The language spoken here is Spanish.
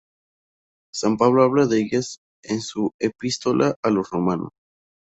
San Pablo habla de ellas en su epístola a los Romanos.